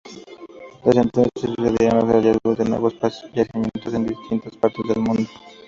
Desde entonces se sucedieron los hallazgos de nuevos yacimientos en distintas partes del mundo.